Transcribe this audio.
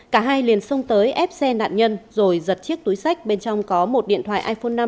cả hai liền xông tới ép xe nạn nhân rồi giật chiếc túi sách bên trong có một điện thoại iphone năm